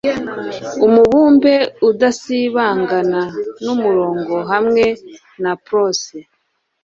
umubumbe udasibangana, n'umurongo, hamwe na prose